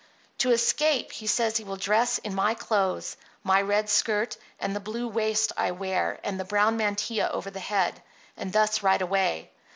To escape he says he will dress in my clothes, my red skirt and the blue waist I wear and the brown mantilla over the head, and thus ride away.